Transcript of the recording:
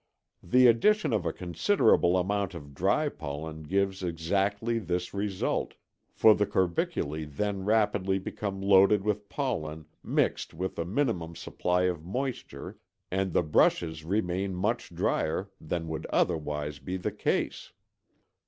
The addition of a considerable amount of dry pollen gives exactly this result, for the corbiculæ then rapidly become loaded with pollen mixed with a minimum supply of moisture and the brushes remain much dryer than would otherwise be the case.